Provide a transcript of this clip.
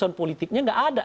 karena politiknya nggak ada